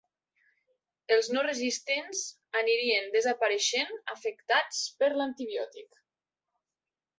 Els no resistents anirien desapareixent afectats per l'antibiòtic.